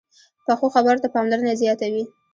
پخو خبرو ته پاملرنه زیاته وي